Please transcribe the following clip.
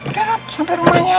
udah rob sampe rumahnya aja